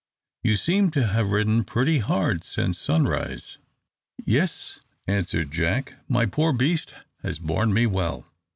"You seem to have ridden pretty hard since sunrise?" "Yes," answered Jack; "my poor beast has borne me well.